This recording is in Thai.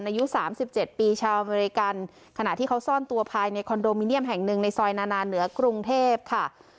อายุ๓๗ปีชาวอเมริกันขณะที่เขาซ่อนตัวภายในคอนโดมิเนียมแห่งหนึ่งในซอยนานาเหนือกรุงเทพค่ะ